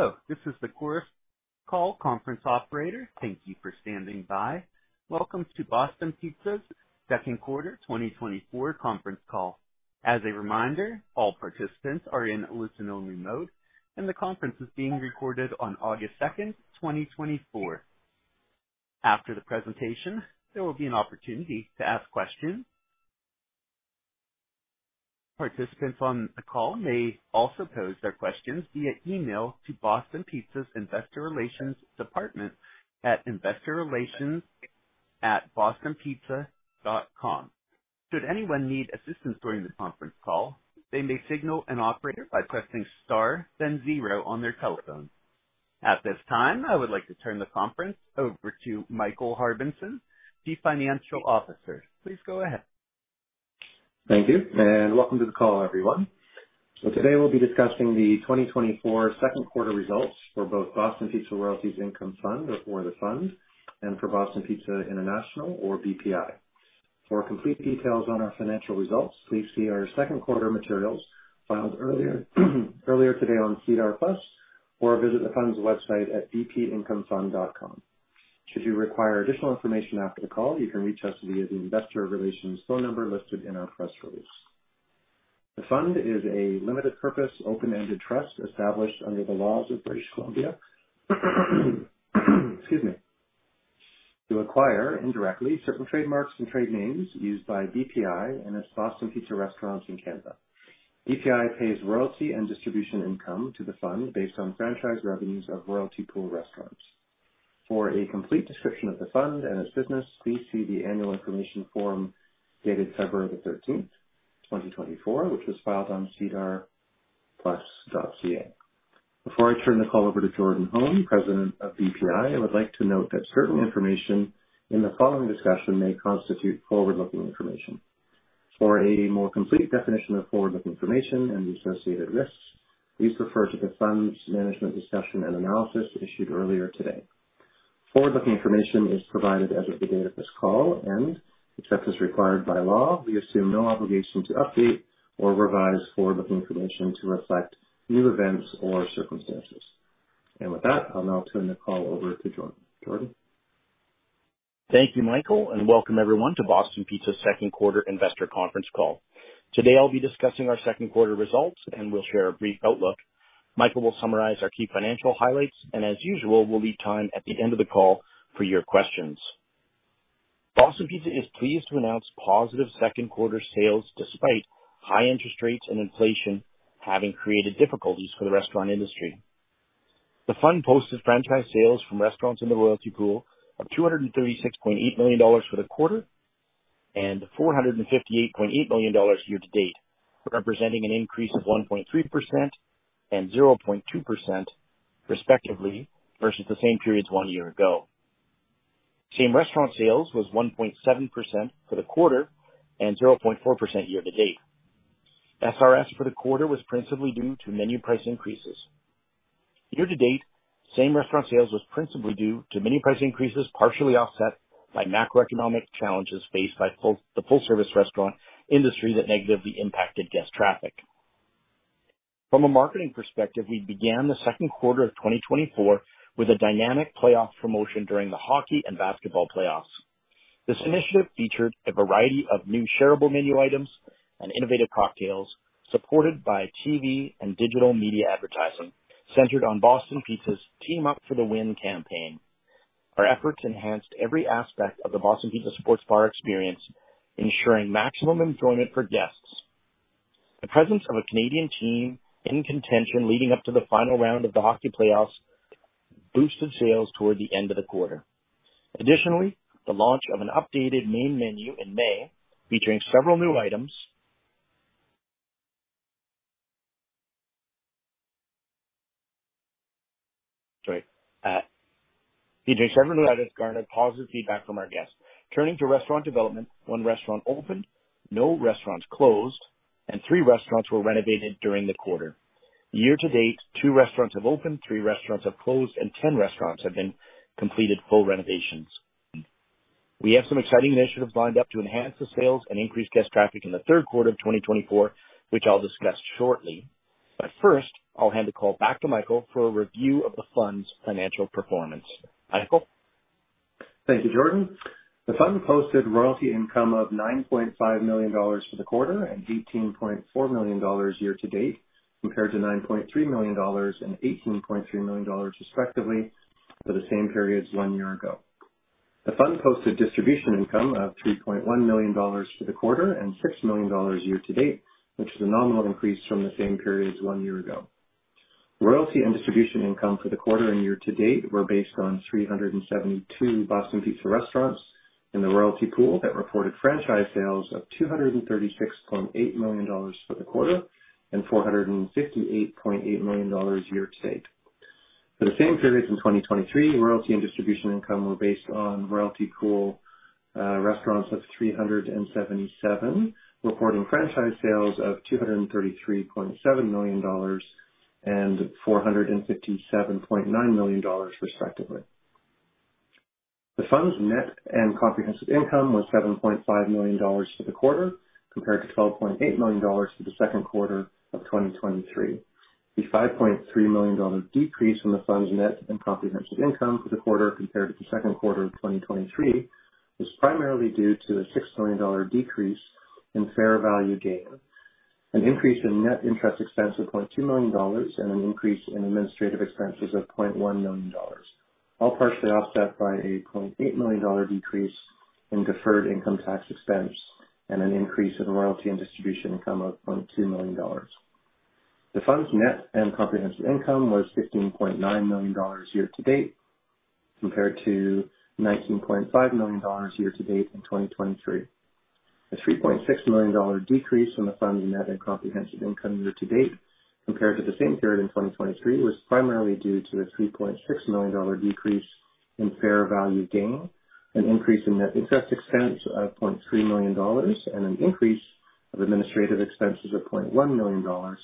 Hello, this is the corporate conference call operator. Thank you for standing by. Welcome to Boston Pizza's Q2 2024 conference call. As a reminder, all participants are in listen-only mode, and the conference is being recorded on August 2nd, 2024. After the presentation, there will be an opportunity to ask questions. Participants on the call may also pose their questions via email to Boston Pizza's Investor Relations Department at investorrelations@bostonpizza.com. Should anyone need assistance during the conference call, they may signal an operator by pressing star, then zero on their telephone. At this time, I would like to turn the conference over to Michael Harbinson, Chief Financial Officer. Please go ahead. Thank you, and welcome to the call, everyone. So today we'll be discussing the 2024 Q2 results for both Boston Pizza Royalties Income Fund, or the fund, and for Boston Pizza International, or BPI. For complete details on our financial results, please see our Q2 materials filed earlier today on SEDAR+, or visit the fund's website at bpincomefund.com. Should you require additional information after the call, you can reach us via the investor relations phone number listed in our press release. The fund is a limited purpose, open-ended trust established under the laws of British Columbia. Excuse me. To acquire indirectly certain trademarks and trade names used by BPI and its Boston Pizza restaurants in Canada. BPI pays royalty and distribution income to the fund based on franchise revenues of royalty pool restaurants. For a complete description of the Fund and its business, please see the Annual Information Form dated February the 13th, 2024, which was filed on SEDAR+.ca. Before I turn the call over to Jordan Holm, President of BPI, I would like to note that certain information in the following discussion may constitute forward-looking information. For a more complete definition of forward-looking information and the associated risks, please refer to the Fund's Management Discussion and Analysis issued earlier today. Forward-looking information is provided as of the date of this call, and except as required by law, we assume no obligation to update or revise forward-looking information to reflect new events or circumstances. And with that, I'll now turn the call over to Jordan. Jordan. Thank you, Michael, and welcome everyone to Boston Pizza's Q2 investor conference call. Today I'll be discussing our Q2 results, and we'll share a brief outlook. Michael will summarize our key financial highlights, and as usual, we'll leave time at the end of the call for your questions. Boston Pizza is pleased to announce positive Q2 sales despite high interest rates and inflation having created difficulties for the restaurant industry. The fund posted Franchise Sales from restaurants in the Royalty Pool of 236.8 million dollars for the quarter and 458.8 million dollars year to date, representing an increase of 1.3% and 0.2% respectively versus the same periods one year ago. Same Restaurant Sales was 1.7% for the quarter and 0.4% year to date. SRS for the quarter was principally due to menu price increases. Year to date, Same Restaurant Sales was principally due to menu price increases partially offset by macroeconomic challenges faced by the full-service restaurant industry that negatively impacted guest traffic. From a marketing perspective, we began the Q2 of 2024 with a dynamic playoff promotion during the hockey and basketball playoffs. This initiative featured a variety of new shareable menu items and innovative cocktails supported by TV and digital media advertising centered on Boston Pizza's Team Up for the Win campaign. Our efforts enhanced every aspect of the Boston Pizza Sports Bar experience, ensuring maximum enjoyment for guests. The presence of a Canadian team in contention leading up to the final round of the hockey playoffs boosted sales toward the end of the quarter. Additionally, the launch of an updated main menu in May featuring several new items garnered positive feedback from our guests. Turning to restaurant development, 1 restaurant opened, no restaurants closed, and 3 restaurants were renovated during the quarter. Year to date, 2 restaurants have opened, 3 restaurants have closed, and 10 restaurants have been completed full renovations. We have some exciting initiatives lined up to enhance the sales and increase guest traffic in the Q3 of 2024, which I'll discuss shortly. But first, I'll hand the call back to Michael for a review of the fund's financial performance. Michael. Thank you, Jordan. The Fund posted royalty income of 9.5 million dollars for the quarter and 18.4 million dollars year to date compared to 9.3 million dollars and 18.3 million dollars respectively for the same periods one year ago. The Fund posted distribution income of 3.1 million dollars for the quarter and 6 million dollars year to date, which is a nominal increase from the same periods one year ago. Royalty and distribution income for the quarter and year to date were based on 372 Boston Pizza restaurants in the royalty pool that reported franchise sales of 236.8 million dollars for the quarter and 458.8 million dollars year to date. For the same periods in 2023, royalty and distribution income were based on royalty pool restaurants of 377 reporting franchise sales of 233.7 million dollars and 457.9 million dollars respectively. The Fund's net and comprehensive income was 7.5 million dollars for the quarter compared to 12.8 million dollars for the Q2 of 2023. The 5.3 million dollars decrease in the Fund's net and comprehensive income for the quarter compared to the Q2 of 2023 was primarily due to a 6 million dollar decrease in fair value gain, an increase in net interest expense of 0.2 million dollars, and an increase in administrative expenses of 0.1 million dollars, all partially offset by a 0.8 million dollar decrease in deferred income tax expense and an increase in royalty and distribution income of CAD 0.2 million. The Fund's net and comprehensive income was 15.9 million dollars year to date compared to 19.5 million dollars year to date in 2023. A 3.6 million dollar decrease in the fund's net and comprehensive income year to date compared to the same period in 2023 was primarily due to a 3.6 million dollar decrease in fair value gain, an increase in net interest expense of 0.3 million dollars, and an increase of administrative expenses of 0.1 million dollars,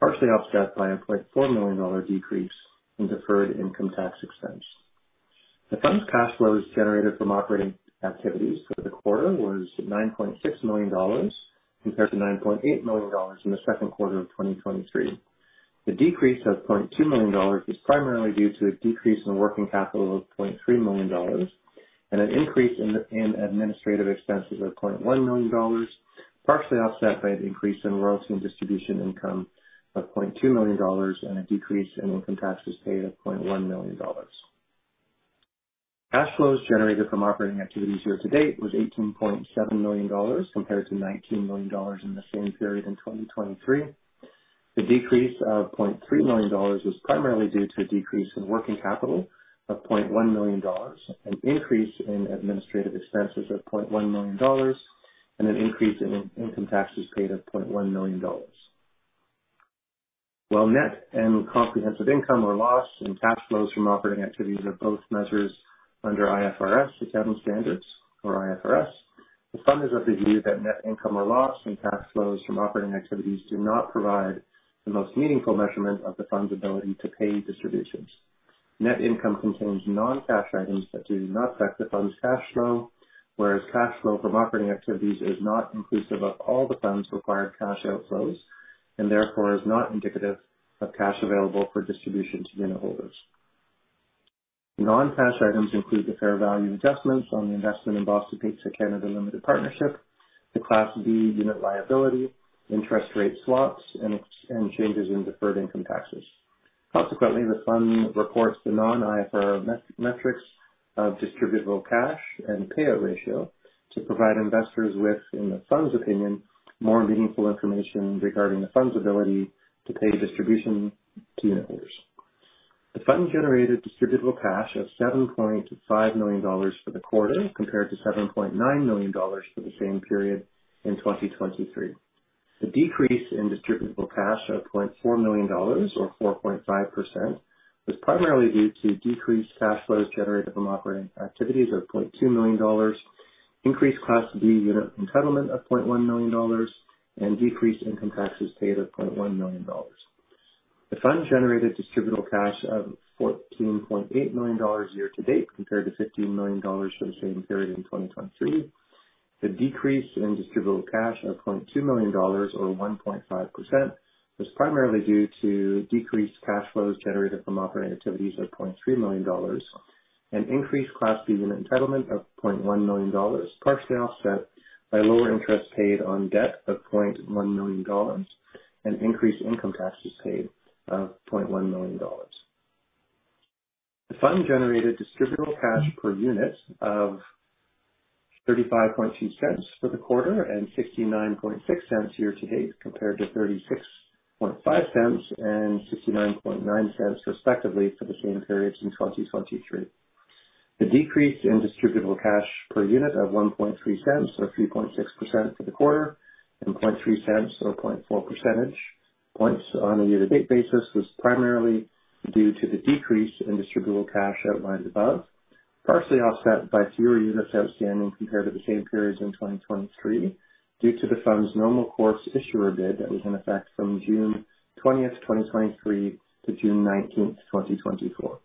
partially offset by a 0.4 million dollar decrease in deferred income tax expense. The fund's cash flows generated from operating activities for the quarter was 9.6 million dollars compared to 9.8 million dollars in the Q2 of 2023. The decrease of 0.2 million dollars was primarily due to a decrease in working capital of 0.3 million dollars and an increase in administrative expenses of 0.1 million dollars, partially offset by the increase in royalty and distribution income of 0.2 million dollars and a decrease in income taxes paid of 0.1 million dollars. Cash flows generated from operating activities year to date was $18.7 million compared to $19 million in the same period in 2023. The decrease of $0.3 million was primarily due to a decrease in working capital of $0.1 million, an increase in administrative expenses of $0.1 million, and an increase in income taxes paid of $0.1 million. While net and comprehensive income or loss and cash flows from operating activities are both measures under IFRS accounting standards or IFRS, the Fund is of the view that net income or loss and cash flows from operating activities do not provide the most meaningful measurement of the Fund's ability to pay distributions. Net income contains non-cash items that do not affect the fund's cash flow, whereas cash flow from operating activities is not inclusive of all the fund's required cash outflows and therefore is not indicative of cash available for distribution to unit holders. Non-cash items include the fair value adjustments on the investment in Boston Pizza Canada Limited Partnership, the Class B Unit liability, interest rate swaps, and changes in deferred income taxes. Consequently, the fund reports the non-IFRS metrics of Distributable Cash and Payout Ratio to provide investors with, in the fund's opinion, more meaningful information regarding the fund's ability to pay distribution to unit holders. The fund generated Distributable Cash of 7.5 million dollars for the quarter compared to 7.9 million dollars for the same period in 2023. The decrease in distributable cash of 0.4 million dollars, or 4.5%, was primarily due to decreased cash flows generated from operating activities of 0.2 million dollars, increased Class B unit entitlement of 0.1 million dollars, and decreased income taxes paid of 0.1 million dollars. The fund generated distributable cash of 14.8 million dollars year to date compared to 15 million dollars for the same period in 2023. The decrease in distributable cash of 0.2 million dollars, or 1.5%, was primarily due to decreased cash flows generated from operating activities of 0.3 million dollars and increased Class B unit entitlement of 0.1 million dollars, partially offset by lower interest paid on debt of 0.1 million dollars and increased income taxes paid of 0.1 million dollars. The fund generated distributable cash per unit of 0.352 for the quarter and 0.696 year to date compared to 0.365 and 0.699 respectively for the same periods in 2023. The decrease in Distributable Cash per unit of $0.033, or 3.6% for the quarter, and $0.03 or 0.4 percentage points on a year-to-date basis was primarily due to the decrease in Distributable Cash outlined above, partially offset by fewer units outstanding compared to the same periods in 2023 due to the Fund's Normal Course Issuer Bid that was in effect from June 20th, 2023, to June 19th, 2024.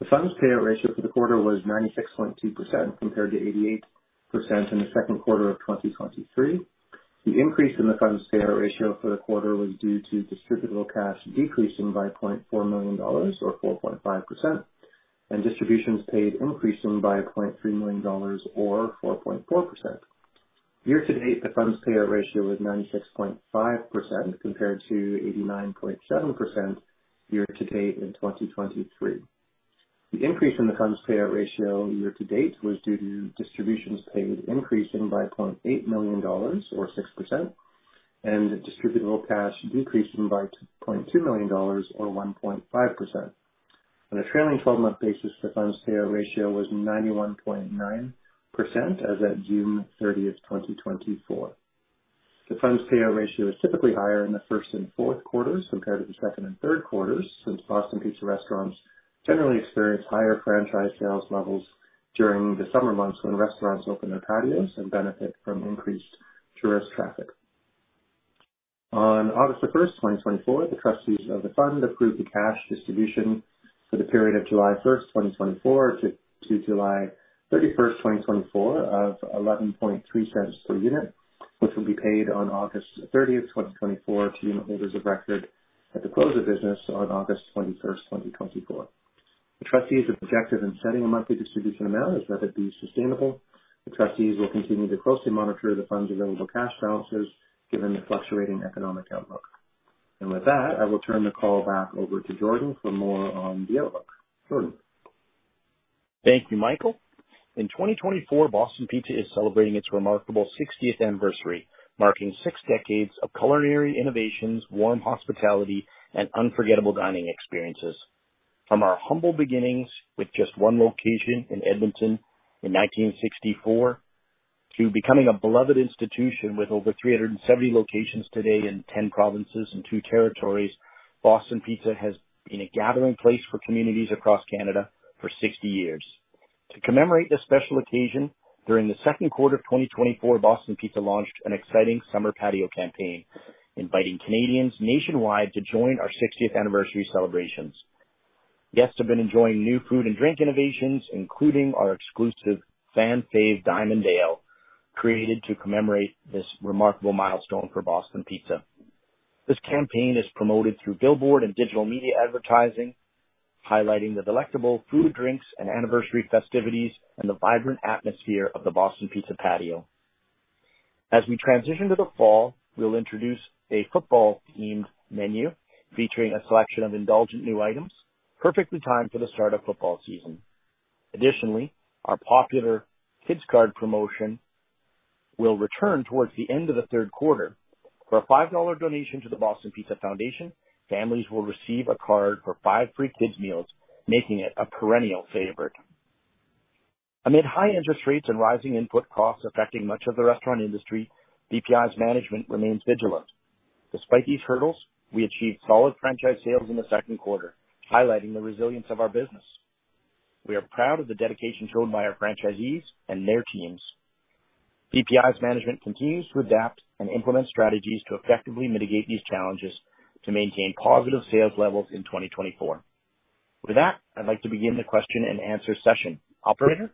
The Fund's Payout Ratio for the quarter was 96.2% compared to 88% in the Q2 of 2023. The increase in the Fund's Payout Ratio for the quarter was due to Distributable Cash decreasing by $0.4 million, or 4.5%, and distributions paid increasing by $0.3 million or 4.4%. Year-to-date, the Fund's Payout Ratio was 96.5% compared to 89.7% year-to-date in 2023. The increase in the fund's payout ratio year to date was due to distributions paid increasing by 0.8 million dollars, or 6%, and distributable cash decreasing by 0.2 million dollars, or 1.5%. On a trailing 12-month basis, the fund's payout ratio was 91.9% as of June 30th, 2024. The fund's payout ratio is typically higher in the first and Q4s compared to the second and Q3s since Boston Pizza restaurants generally experience higher franchise sales levels during the summer months when restaurants open their patios and benefit from increased tourist traffic. On August the 1st, 2024, the trustees of the fund approved the cash distribution for the period of July 1st, 2024, to July 31st, 2024, of 11.30 per unit, which will be paid on August 30th, 2024, to unit holders of record at the close of business on August 21st, 2024. The trustees' objective in setting a monthly distribution amount is that it be sustainable. The trustees will continue to closely monitor the fund's available cash balances given the fluctuating economic outlook. With that, I will turn the call back over to Jordan for more on the outlook. Jordan. Thank you, Michael. In 2024, Boston Pizza is celebrating its remarkable 60th anniversary, marking six decades of culinary innovations, warm hospitality, and unforgettable dining experiences. From our humble beginnings with just one location in Edmonton in 1964 to becoming a beloved institution with over 370 locations today in 10 provinces and two territories, Boston Pizza has been a gathering place for communities across Canada for 60 years. To commemorate this special occasion, during the Q2 of 2024, Boston Pizza launched an exciting summer patio campaign, inviting Canadians nationwide to join our 60th anniversary celebrations. Guests have been enjoying new food and drink innovations, including our exclusive Fan Fave Diamond Ale, created to commemorate this remarkable milestone for Boston Pizza. This campaign is promoted through billboard and digital media advertising, highlighting the delectable food, drinks, and anniversary festivities and the vibrant atmosphere of the Boston Pizza patio. As we transition to the fall, we'll introduce a football-themed menu featuring a selection of indulgent new items, perfectly timed for the start of football season. Additionally, our popular Kids Card promotion will return towards the end of the Q3. For a $5 donation to the Boston Pizza Foundation, families will receive a card for five free kids' meals, making it a perennial favorite. Amid high interest rates and rising input costs affecting much of the restaurant industry, BPI's management remains vigilant. Despite these hurdles, we achieved solid franchise sales in the Q2, highlighting the resilience of our business. We are proud of the dedication shown by our franchisees and their teams. BPI's management continues to adapt and implement strategies to effectively mitigate these challenges to maintain positive sales levels in 2024. With that, I'd like to begin the question and answer session. Operator.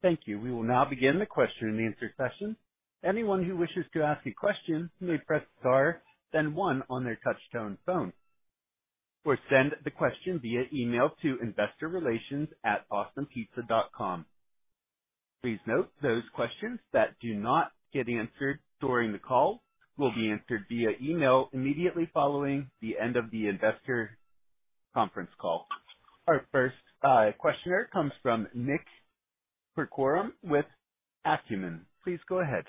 Thank you. We will now begin the question and answer session. Anyone who wishes to ask a question may press star, then one on their touch-tone phone, or send the question via email to investorrelations@bostonpizza.com. Please note those questions that do not get answered during the call will be answered via email immediately following the end of the investor conference call. Our first questioner comes from Nick Corcoran with Acumen. Please go ahead.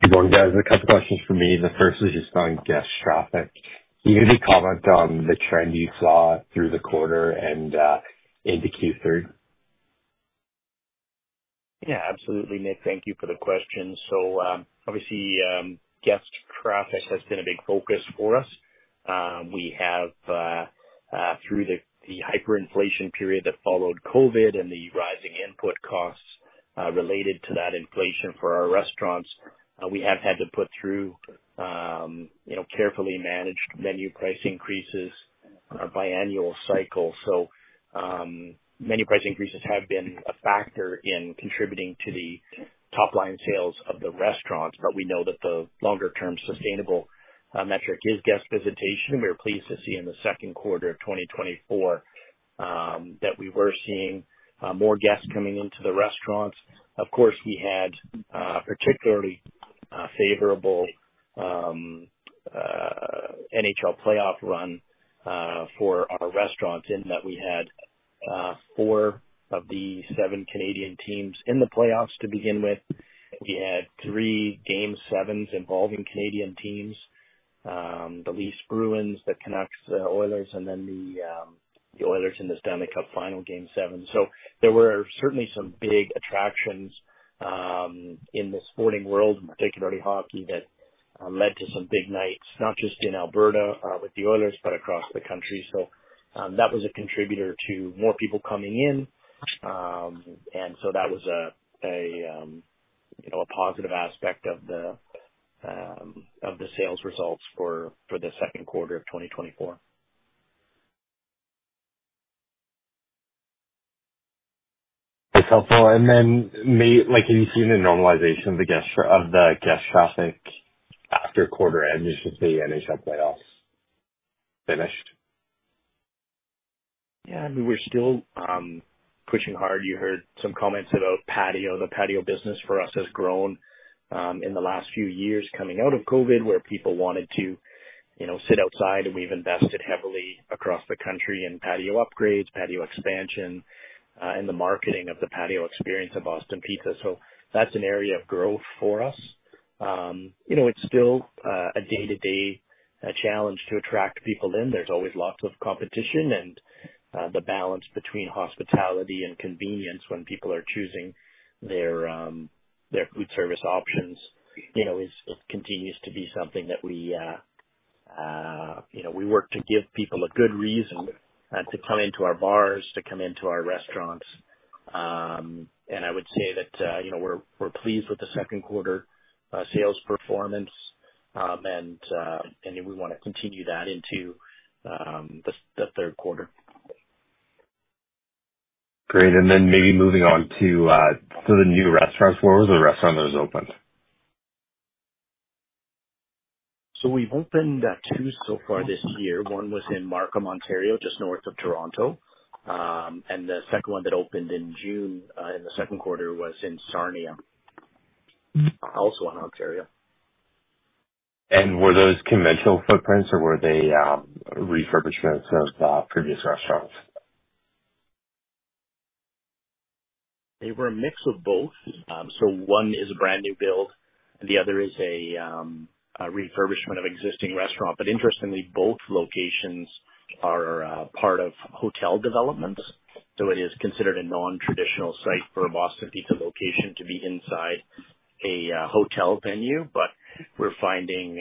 Hey, Jordan. I have a couple of questions for me. The first is just on guest traffic. Can you maybe comment on the trend you saw through the quarter and into Q3? Yeah, absolutely, Nick. Thank you for the question. So obviously, guest traffic has been a big focus for us. We have, through the hyperinflation period that followed COVID and the rising input costs related to that inflation for our restaurants, we have had to put through carefully managed menu price increases on our biannual cycle. So menu price increases have been a factor in contributing to the top-line sales of the restaurants, but we know that the longer-term sustainable metric is guest visitation. We were pleased to see in the Q2 of 2024 that we were seeing more guests coming into the restaurants. Of course, we had a particularly favorable NHL playoff run for our restaurants in that we had four of the seven Canadian teams in the playoffs to begin with. We had three game sevens involving Canadian teams: the Leafs Bruins, the Canucks, the Oilers, and then the Oilers in the Stanley Cup Final game seven. So there were certainly some big attractions in the sporting world, particularly hockey, that led to some big nights, not just in Alberta with the Oilers, but across the country. So that was a contributor to more people coming in. And so that was a positive aspect of the sales results for the Q2 of 2024. That's helpful. And then have you seen a normalization of the guest traffic after quarter end, just to say NHL playoffs finished? Yeah. I mean, we're still pushing hard. You heard some comments about patio. The patio business for us has grown in the last few years coming out of COVID, where people wanted to sit outside. And we've invested heavily across the country in patio upgrades, patio expansion, and the marketing of the patio experience at Boston Pizza. So that's an area of growth for us. It's still a day-to-day challenge to attract people in. There's always lots of competition. And the balance between hospitality and convenience when people are choosing their food service options continues to be something that we work to give people a good reason to come into our bars, to come into our restaurants. And I would say that we're pleased with the Q2 sales performance, and we want to continue that into the Q3. Great. And then maybe moving on to the new restaurants. Where was the restaurant that was opened? We've opened two so far this year. One was in Markham, Ontario, just north of Toronto. The second one that opened in June in the Q2 was in Sarnia, also in Ontario. Were those conventional footprints or were they refurbishments of previous restaurants? They were a mix of both. So one is a brand new build, and the other is a refurbishment of existing restaurant. But interestingly, both locations are part of hotel developments. So it is considered a non-traditional site for a Boston Pizza location to be inside a hotel venue. But we're finding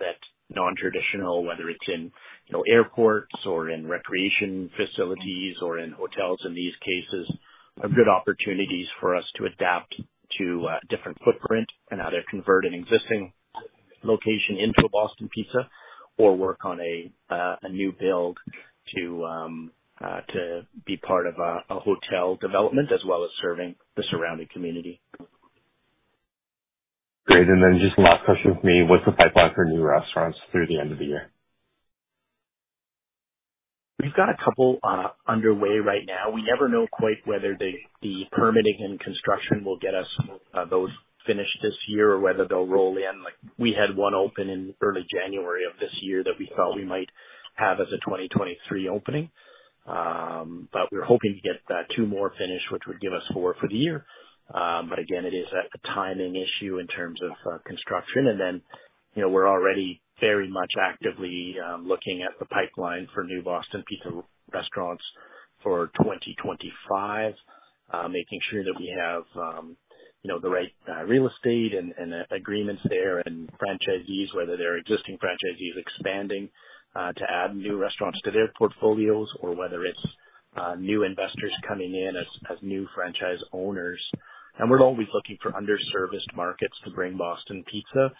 that non-traditional, whether it's in airports or in recreation facilities or in hotels in these cases, are good opportunities for us to adapt to different footprint and either convert an existing location into a Boston Pizza or work on a new build to be part of a hotel development as well as serving the surrounding community. Great. And then just last question for me. What's the pipeline for new restaurants through the end of the year? We've got a couple underway right now. We never know quite whether the permitting and construction will get us those finished this year or whether they'll roll in. We had one open in early January of this year that we thought we might have as a 2023 opening. We're hoping to get two more finished, which would give us four for the year. Again, it is a timing issue in terms of construction. Then we're already very much actively looking at the pipeline for new Boston Pizza restaurants for 2025, making sure that we have the right real estate and agreements there and franchisees, whether they're existing franchisees expanding to add new restaurants to their portfolios or whether it's new investors coming in as new franchise owners. We're always looking for underserviced markets to bring Boston Pizza,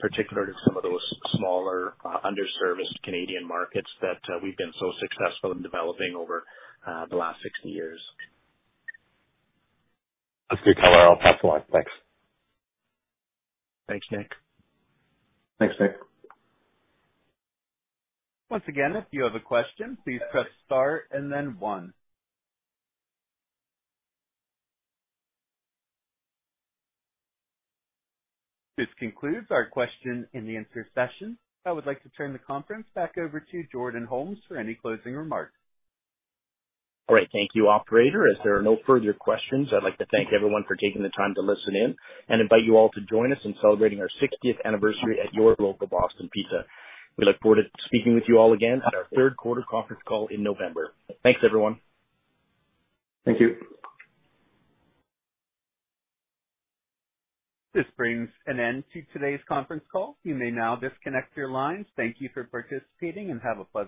particularly to some of those smaller underserviced Canadian markets that we've been so successful in developing over the last 60 years. That's good. Colorado pipeline. Thanks. Thanks, Nick. Thanks, Nick. Once again, if you have a question, please press star and then one. This concludes our question and answer session. I would like to turn the conference back over to Jordan Holm for any closing remarks. All right. Thank you, Operator. If there are no further questions, I'd like to thank everyone for taking the time to listen in and invite you all to join us in celebrating our 60th anniversary at your local Boston Pizza. We look forward to speaking with you all again at our Q3 conference call in November. Thanks, everyone. Thank you. This brings an end to today's conference call. You may now disconnect your lines. Thank you for participating and have a pleasant.